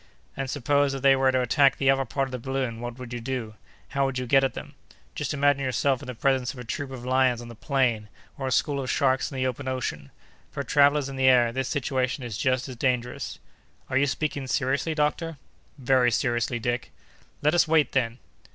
"And suppose that they were to attack the upper part of the balloon, what would you do? How would you get at them? Just imagine yourself in the presence of a troop of lions on the plain, or a school of sharks in the open ocean! For travellers in the air, this situation is just as dangerous." "Are you speaking seriously, doctor?" "Very seriously, Dick." "Let us wait, then!"